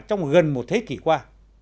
trong gần một thế kỷ qua